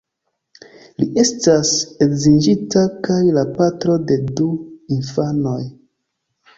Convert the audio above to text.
Li estas edziĝinta, kaj la patro de du infanoj.